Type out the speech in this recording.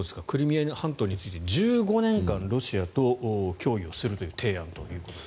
クリミア半島について１５年間ロシアと協議をするという提案。